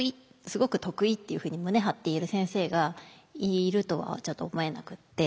すごく得意っていうふうに胸張って言える先生がいるとはちょっと思えなくって。